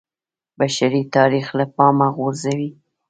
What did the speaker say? بشري تاریخ له پامه غورځوي